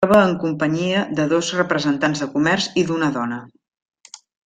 La troba en companyia de dos representants de comerç i d'una dona.